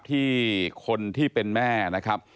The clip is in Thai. ที่คนที่เป็นแม่นะครับ